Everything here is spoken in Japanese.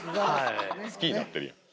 好きになってるやん。